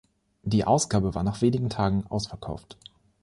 Die Ausgabe war nach wenigen Tagen ausverkauft.